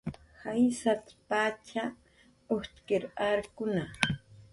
"Jaysat"" pach ujtkir arkuna"